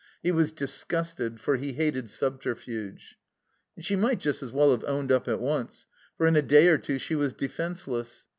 He was disgusted, for he hated subterfuge. And she might just as weU have owned up at once; for in a day pr two she was defenseless.